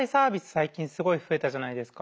最近すごい増えたじゃないですか。